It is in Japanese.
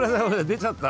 出ちゃった？